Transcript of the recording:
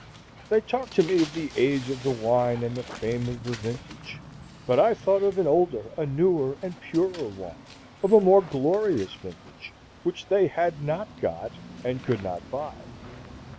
They talked to me of the age of the wine and the fame of the vintage; but I thought of an older, a newer, and purer wine, of a more glorious vintage, which they had not got, and could not buy.